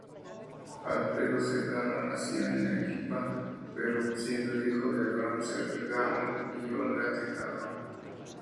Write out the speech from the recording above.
Alfredo Zegarra nació en Arequipa, Perú, siendo hijo de Abraham Zegarra y Olga Tejada.